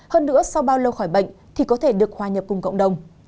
hơn nữa sau bao lâu khỏi bệnh thì có thể được hòa nhập cùng cộng đồng